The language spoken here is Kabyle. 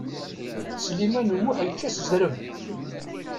Sliman U Muḥ yečča s zreb.